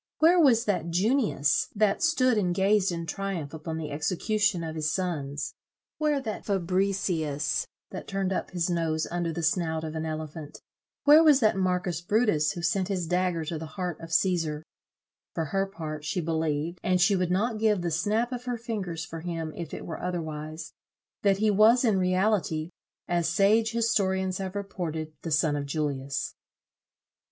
Where was that Junius, that stood and gazed in triumph upon the execution of his sons? Where that Fabricius, that turned up his nose under the snout of an elephant? Where was that Marcus Brutus, who sent his dagger to the heart of Cæsar? For her part, she believed, and she would not give the snap of her fingers for him if it were otherwise, that he was in reality, as sage historians have reported, the son of Julius."